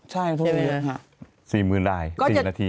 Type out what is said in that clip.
๔หมื่นได้๔นาที